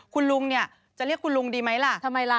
คุณลุงเนี่ยจะเรียกคุณลุงดีไหมล่ะ